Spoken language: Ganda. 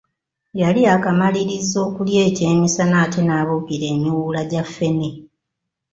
Yali yaakamaliriza okulya ekyemisana ate n’abuukira emiwuula gya ffene.